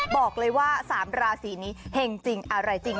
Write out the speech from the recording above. บอกเลยว่า๓ราศีนี้เห็งจริงอะไรจริง